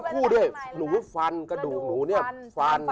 กระดูกฟันทั้งคู่ด้วย